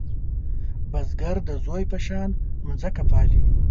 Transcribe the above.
بزګر د زوی په شان ځمکه پالې